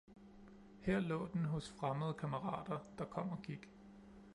Her lå den hos fremmede kammerater, der kom og gik.